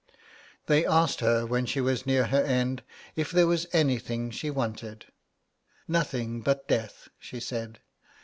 They asked her when she was near her end if there was anything she wanted. 'Nothing but death,' she said.